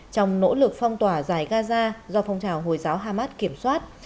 trong nỗ lực phong tỏa giải gaza do phong trào hồi giáo hamas kiểm soát